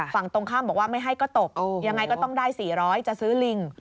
ฝั่งตรงข้ามบอกว่าไม่ให้ก็ตกยังไงก็ต้องได้๔๐๐จะซื้อลิง